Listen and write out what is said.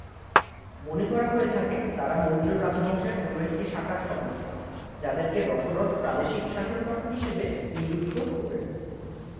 মনে করা হয়ে থাকে তারা মৌর্য্য রাজবংশের কোন একটি শাখার সদস্য, যাদেরকে দশরথ প্রাদেশিক শাসনকর্তা হিসেবে নিযুক্ত করেন।